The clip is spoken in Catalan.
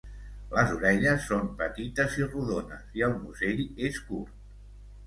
Les orelles són petites i rodones i el musell és curt.